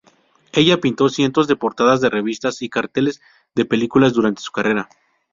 Ella pintó cientos de portadas de revistas y carteles de películas durante su carrera.